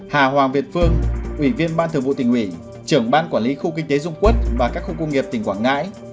hà hoàng việt phương ủy viên ban thường vụ tỉnh ủy trưởng ban quản lý khu kinh tế dung quốc và các khu công nghiệp tỉnh quảng ngãi